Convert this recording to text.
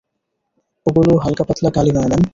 ওগুলো হালকাপাতলা গালি নয় ম্যাম।